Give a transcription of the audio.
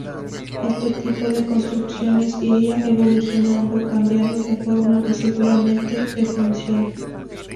Este tipo de construcciones iría evolucionando, cambiando de forma y seguramente, de función.